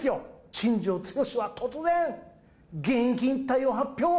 新庄剛志は突然、現役引退を発表。